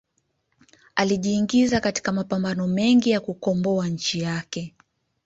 alijiingiza katika mapambano mengi ya kukomboa nchi yake